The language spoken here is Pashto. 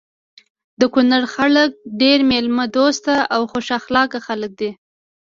د کونړ خلک ډير ميلمه دوسته او خوش اخلاقه خلک دي.